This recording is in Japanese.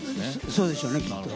そうでしょうねきっと。